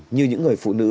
như những người phụ nữ